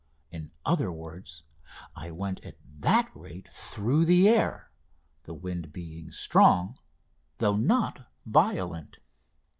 In other words, I went at that rate through the air, the wind being strong though not violent.